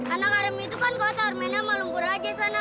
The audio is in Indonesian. anak haram itu kan kotor mainnya malu mulu aja sana